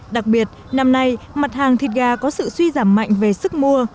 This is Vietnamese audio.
đặc biệt năm nay mặt hàng thịt gà có sự suy giảm mạnh về sức mua